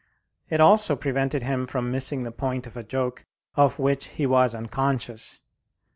It also prevented him from missing the point of a joke of which he was unconscious.